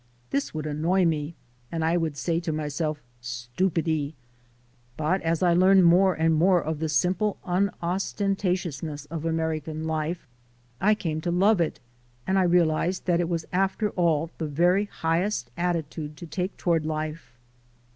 This would annoy me and I would say to myself: "Stupidi." But as I learned more and more of the simple unostentatiousness of American life, I came to love it, and I realized that it was after all the very highest attitude to take toward life.